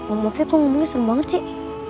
om ovi kok ngomongnya serem banget sih